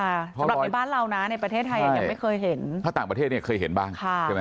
สำหรับในบ้านเรานะในประเทศไทยยังไม่เคยเห็นถ้าต่างประเทศเนี่ยเคยเห็นบ้างใช่ไหม